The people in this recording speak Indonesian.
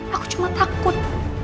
aku cuma takut